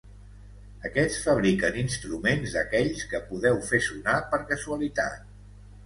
Aquests fabriquen instruments d'aquells que podeu fer sonar per casualitat.